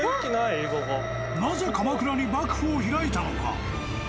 なぜ鎌倉に幕府を開いたのか。